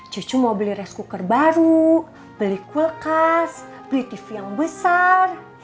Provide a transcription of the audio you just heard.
cucu mau beli rice cooker baru beli kulkas beli tv yang besar